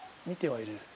見てはいる。